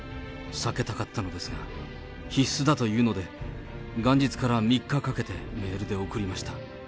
避けたかったのですが、必須だというので、元日から３日かけてメールで送りました。